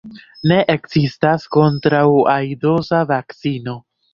Ne ekzistas kontraŭ-aidosa vakcino.